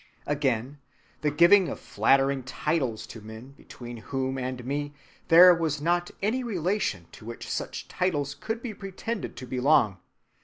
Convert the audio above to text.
"Again, the giving of flattering titles to men between whom and me there was not any relation to which such titles could be pretended to belong.